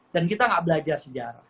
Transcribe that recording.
dan kita nggak belajar sejarah